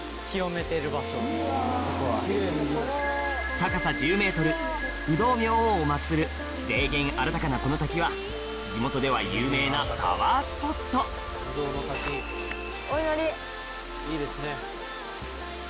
高さ１０ｍ不動明王を祀る霊験あらたかなこの滝は地元では有名なパワースポットお祈り。